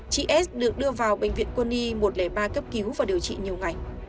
chị s được đưa vào bệnh viện quân y một trăm linh ba cấp cứu và điều trị nhiều ngày